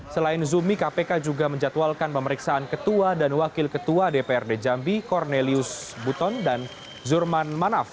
selain zumi kpk juga menjatuhalkan pemeriksaan ketua dan wakil ketua dprd jambi cornelius buton dan zurman manaf